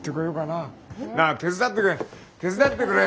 なあ手伝ってくれ。